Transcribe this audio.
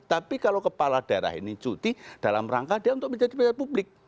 tapi kalau kepala daerah ini cuti dalam rangka dia untuk menjadi pejabat publik